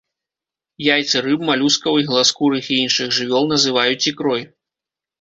Яйцы рыб, малюскаў, ігласкурых і іншых жывёл называюць ікрой.